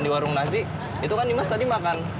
di warung nasi itu kan dimas tadi makan